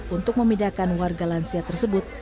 untuk memindahkan warga lansia tersebut